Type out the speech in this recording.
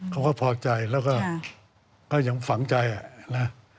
เขาก็พอใจแล้วก็ก็ยังฝังใจนะ